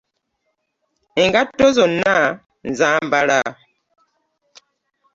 Engatto zonna nzambala.